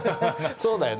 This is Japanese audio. そうだよね。